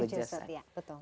jadi afiatat fil jasad